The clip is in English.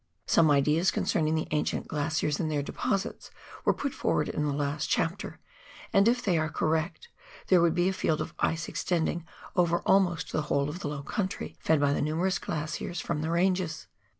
Some ideas concerning the ancient glaciers and their deposits were put forward in the last chapter, and if they are correct, there would be a field of ice extending over almost the whole of the low country, fed by the numerous glaciers from the ranges.